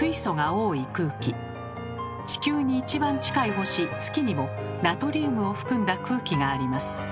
地球に一番近い星月にもナトリウムを含んだ空気があります。